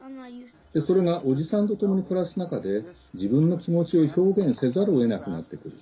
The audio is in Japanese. それが、おじさんとともに暮らす中で自分の気持ちを表現せざるをえなくなってくる。